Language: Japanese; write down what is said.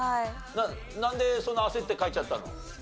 なんでそんな焦って書いちゃったの？